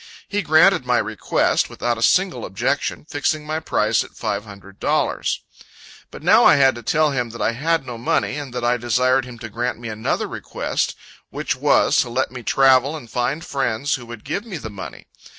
He granted my request, without a single objection, fixing my price at five hundred dollars. But now I had to tell him that I had no money, and that I desired him to grant me another request; which was, to let me travel and find friends, who would give me the money.